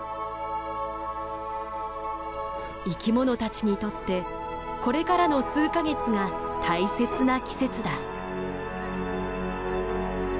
生きものたちにとってこれからの数か月が大切な季節だ。